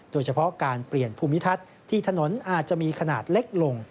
โดยเฉพาะการเปลี่ยนภูมิทัศน์ที่ถนนอาจจะมีขนาดเล็กลง